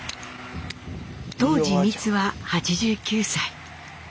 当時みつは８９歳。